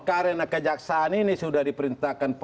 karena kejaksaan ini sudah diperintahkan